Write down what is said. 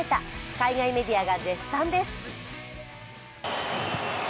海外メディアが絶賛です。